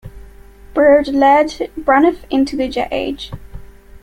Beard led Braniff into the jet age.